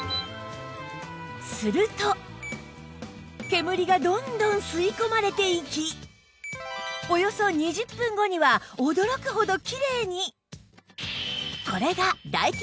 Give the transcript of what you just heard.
すると煙がどんどん吸い込まれていきおよそ２０分後には驚くほどきれいに！